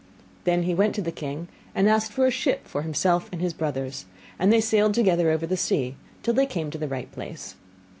Then he went to the king, and asked for a ship for himself and his brothers; and they sailed together over the sea, till they came to the right place.